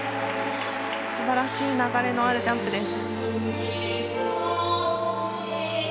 すばらしい流れのあるジャンプ。